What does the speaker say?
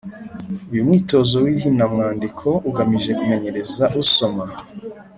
uyu mwitozo w’ihinamwandiko ugamije kumenyereza usoma